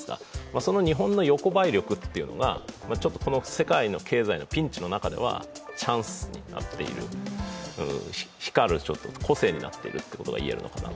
その日本の横ばい力っていうのが世界経済のピンチの中でチャンスとなっている、光る個性になっていると言えるのかなと。